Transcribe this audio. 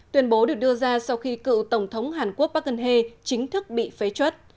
tuyên bố được đưa ra sau khi cựu tổng thống hàn quốc park geun hye chính thức bị phế chuất